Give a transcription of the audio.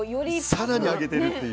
更に上げてるっていう。